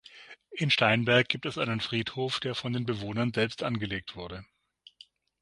In Steinberg gibt es einen Friedhof, der von den Bewohnern selbst angelegt wurde.